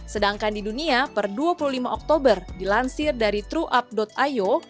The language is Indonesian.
sedangkan di dunia per dua puluh lima oktober dilansir dari truw up io